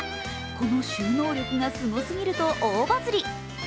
この収納力がすごすぎると大バズり。